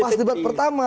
pas debat pertama